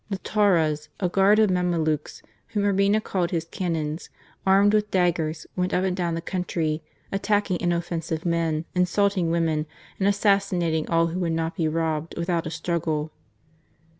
The Tauras," a guard of mamelukes whom Urbina called his " canons," armed with daggers, went up and down the country, attacking inoffensive men, insulting women, and assassinating all who would not be robbed without a struggle.